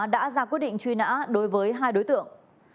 đã ra quyết định truy nã đối với hai đối tượng